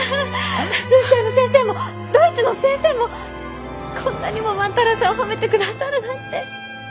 ロシアの先生もドイツの先生もこんなにも万太郎さんを褒めてくださるなんて！